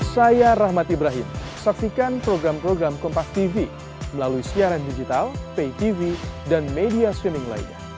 saya rahmat ibrahim saksikan program program kompastv melalui siaran digital paytv dan media streaming lainnya